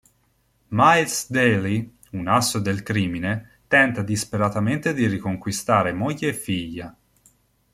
Miles Daly, un asso del crimine, tenta disperatamente di riconquistare moglie e figlia.